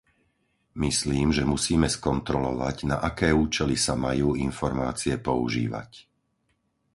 Myslím, že musíme skontrolovať, na aké účely sa majú informácie používať.